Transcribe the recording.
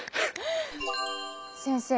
先生